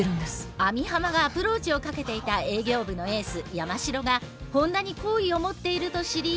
網浜がアプローチをかけていた営業部のエース山城が本田に好意を持っていると知り。